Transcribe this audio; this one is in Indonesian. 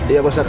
iya pak ustadz